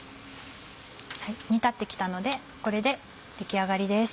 煮立って来たのでこれで出来上がりです。